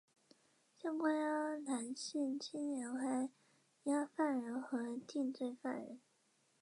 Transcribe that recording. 现关押男性年青还押犯人和定罪犯人。